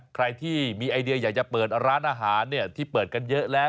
ใครที่มีไอเดียอยากจะเปิดร้านอาหารที่เปิดกันเยอะแล้ว